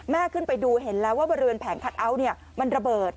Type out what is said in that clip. ขึ้นไปดูเห็นแล้วว่าบริเวณแผงคัทเอาท์มันระเบิด